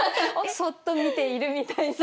そっと見ているみたいな。